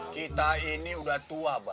kita ini udah tua pak